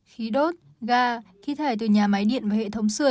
khí đốt ga khí thải từ nhà máy điện và hệ thống sửa